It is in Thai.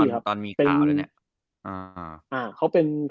มารู้ตอนมีข่าวเลยเนี่ย